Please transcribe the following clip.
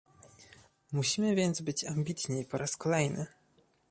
Musimy więc być ambitni po raz kolejny